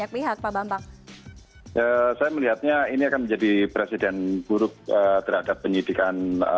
jadi dikonspirasi dan juga penyelidikan